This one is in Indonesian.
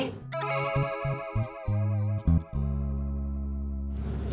itu kotanya berita dari dede